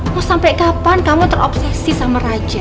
mau sampai kapan kamu terobsesi sama raja